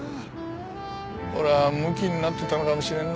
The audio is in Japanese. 俺はムキになってたのかもしれんなあ。